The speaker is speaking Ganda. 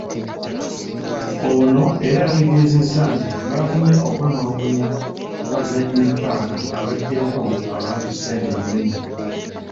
Ono era yategeezezza nti baafunye okwemulugunya ku bannanyini ppaka abajjako abantu essente ennyingi.